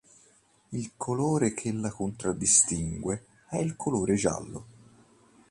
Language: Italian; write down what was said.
Il colore che la contraddistingue è il colore giallo.